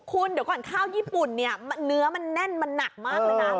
คุณเดี๋ยวก่อนข้าวญี่ปุ่นเนี่ยเนื้อมันแน่นมันหนักมากเลยนะ